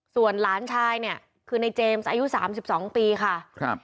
ส่วนล้านชายเนี่ยคือนายเจมส์อายุสามสิบสองปีค่ะครับ